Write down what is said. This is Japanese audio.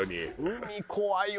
海怖いわ。